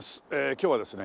今日はですね